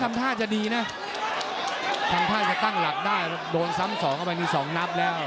ทำท่าจะดีนะทำท่าจะตั้งหลักได้โดนซ้ำ๒แล้วอันนี้๒นับแล้ว